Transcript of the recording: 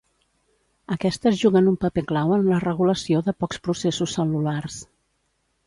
Aquestes juguen un paper clau en la regulació de pocs processos cel·lulars.